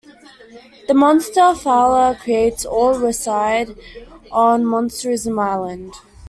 The "monsters" Fowler creates all reside on "Monsterism Island".